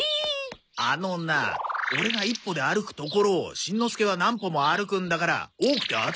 あのなオレが１歩で歩くところをしんのすけは何歩も歩くんだから多くて当たり前だろ。